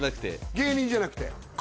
芸人じゃなくてえ！